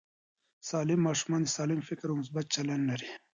سالم ماشومان سالم فکر او مثبت چلند لري.